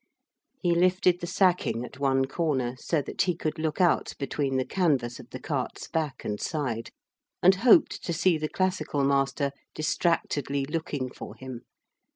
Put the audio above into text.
He lifted the sacking at one corner so that he could look out between the canvas of the cart's back and side, and hoped to see the classical master distractedly looking for him.